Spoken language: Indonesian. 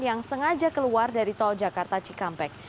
yang sengaja keluar dari tol jakarta cikampek